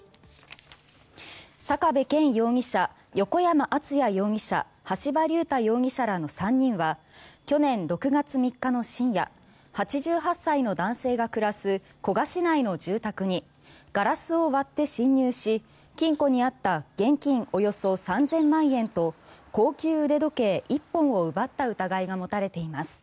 坂部謙容疑者、横山篤也容疑者橋場龍太容疑者らの３人は去年６月３日の新家８８歳の男性が暮らす古河市内の住宅にガラスを割って侵入し金庫にあった現金およそ３０００万円と高級腕時計１本を奪った疑いが持たれています。